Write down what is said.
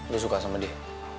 lo suka sama dia